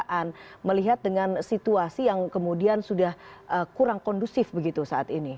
apa yang anda melihat dengan situasi yang kemudian sudah kurang kondusif begitu saat ini